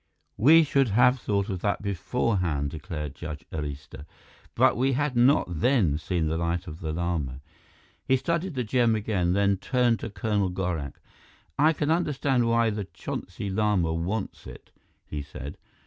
"We should have thought of that beforehand," declared Judge Arista. "But we had not then seen the Light of the Lama." He studied the gem again, then turned to Colonel Gorak. "I can understand why the Chonsi Lama wants it," he said.